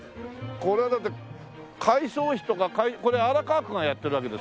これはだって改装費とかこれ荒川区がやってるわけですよね？